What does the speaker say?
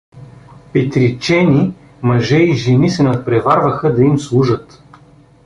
Петричени, мъже и жени, се надпреварваха да им служат.